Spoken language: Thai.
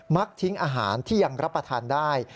ทิ้งอาหารที่ยังรับประทานได้